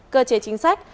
cơ chế chính sách